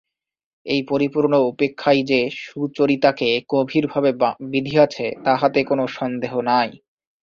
এই পরিপূর্ণ উপেক্ষাই যে সুচরিতাকে গভীরভাবে বিঁধিয়াছে তাহাতে কোনো সন্দেহ নাই।